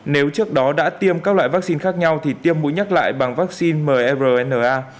nếu trước đó đã tiêm các loại vaccine khác nhau thì tiêm mũi nhắc lại bằng vaccine mrna